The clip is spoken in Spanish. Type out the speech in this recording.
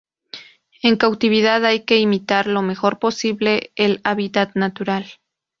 En cautividad hay que imitar lo mejor posible el hábitat natural.